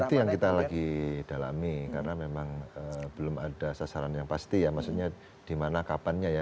itu yang kita lagi dalami karena memang belum ada sasaran yang pasti ya maksudnya di mana kapannya ya